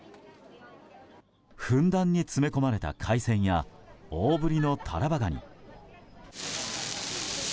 ふんだんに詰め込まれた海鮮や大ぶりのタラバガニ。